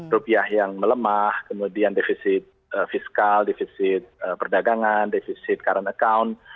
rupiah yang melemah kemudian defisit fiskal defisit perdagangan defisit current account